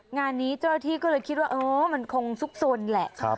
งานนี้เจ้าที่ก็เลยคิดว่ามันคงซุกซนแหละ